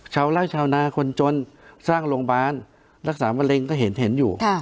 ชาวล่างชาวนาคนจนสร้างโรงบาลรักษาแมรงก็เห็นเห็นอยู่